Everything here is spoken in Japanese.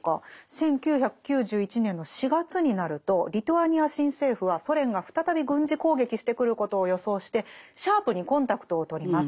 １９９１年の４月になるとリトアニア新政府はソ連が再び軍事攻撃してくることを予想してシャープにコンタクトをとります。